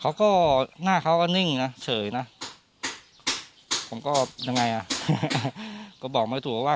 เขาก็หน้าเขาก็นิ่งนะเฉยนะผมก็ยังไงอ่ะก็บอกไม่ถูกว่า